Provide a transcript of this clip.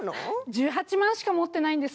１８万しか持ってないんです。